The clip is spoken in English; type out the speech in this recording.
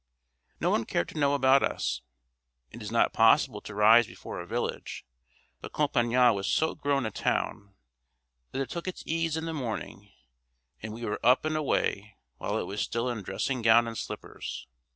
No one cared to know about us. It is not possible to rise before a village; but Compiègne was so grown a town, that it took its ease in the morning; and we were up and away while it was still in dressing gown and slippers.